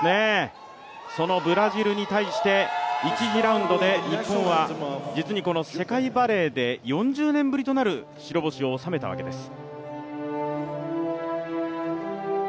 そのブラジルに対して１次ラウンドで日本は実に世界バレーで４０年ぶりとなる白星を収めたわけです。